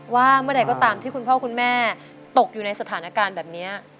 ว่าเมื่อใดก็ตามที่คุณพ่อคุณแม่ตกอยู่ในสถานการณ์แบบนี้